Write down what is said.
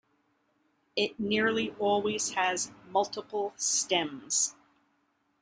It nearly always has multiple stems.